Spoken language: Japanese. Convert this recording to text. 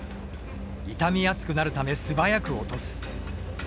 傷みやすくなるため素早く落とす。